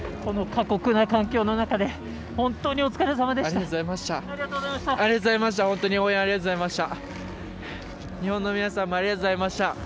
過酷な環境の中で本当にお疲れさまでした。